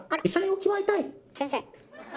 先生！